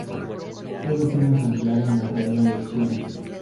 Fue vecino ejemplar en el Reino de Chile.